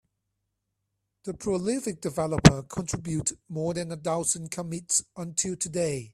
The prolific developer contributed more than a thousand commits until today.